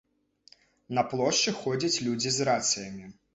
На плошчы ходзяць людзі з рацыямі.